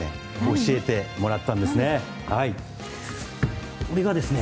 教えてもらったんですね。